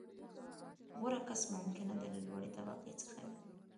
• غوره کس ممکنه ده، له لوړې طبقې څخه وي.